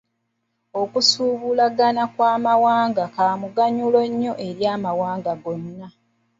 Okusuubulagana kw'amawanga kwa muganyulo nnyo eri amawanga gonna.